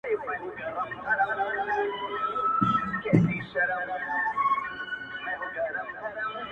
د وخت پر شونډو به زنګېږي زما تڼاکي غزل!!